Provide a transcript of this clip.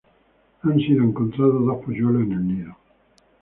Han sido encontrados dos polluelos en el nido.